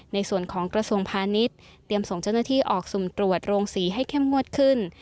ในส่วนของกระทรวงพาณิชย์เตรียมส่งเจ้าหน้าที่ออกสุ่มตรวจโรงศรีให้เข้มงวดขึ้น